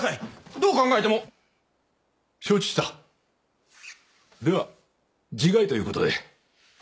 どう考えても承知したでは自害ということでえ